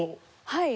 はい。